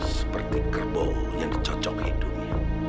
seperti kerbau yang cocok hidungnya